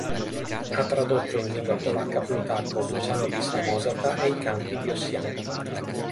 Ha tradotto in lingua polacca Plutarco, Luciano di Samosata e i Canti di Ossian.